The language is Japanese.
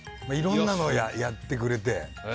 いろんなのをやってくれて。